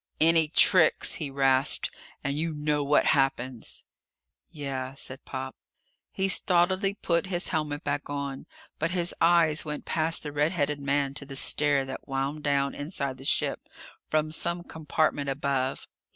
"Any tricks," he rasped, "and you know what happens!" "Yeah," said Pop. He stolidly put his helmet back on. But his eyes went past the red headed man to the stair that wound down, inside the ship, from some compartment above.